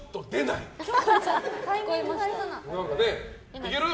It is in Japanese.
いける？